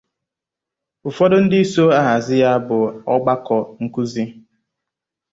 ụfọdụ ndị so ahazi ya bụ ọgbakọ nkuzi